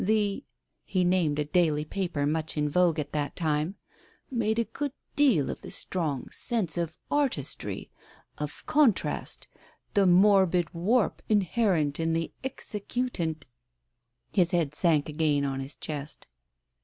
The" — he named a daily paper much in vogue at that time, "made a good deal of the strong sense of artistry — of contrast — the morbid warp inherent in the executant " His head sank again on his chest.